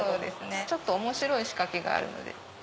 ちょっと面白い仕掛けがあるので。